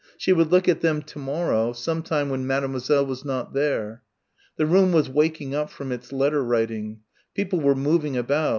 She would look at them to morrow, sometime when Mademoiselle was not there.... The room was waking up from its letter writing. People were moving about.